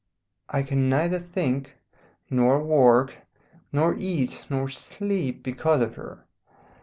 I can neither think nor work nor eat nor sleep because of her.